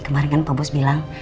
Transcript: kemarin kan pak bus bilang